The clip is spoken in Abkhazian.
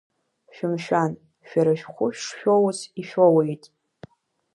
Шәымшәан, шәара шәхәы шшәоуц ишәоуеит.